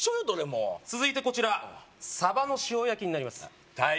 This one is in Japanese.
どれも続いてこちらサバの塩焼きになります